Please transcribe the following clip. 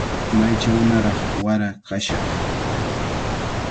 Maychawnaraq wara kashaq.